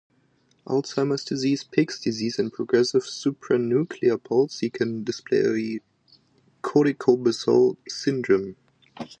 Alzheimer's disease, Pick's disease, and progressive supranuclear palsy can display a corticobasal syndrome.